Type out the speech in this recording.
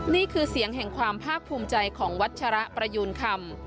นี่คือเสียงแห่งความภาคภูมิใจของวัชระประยูนคำ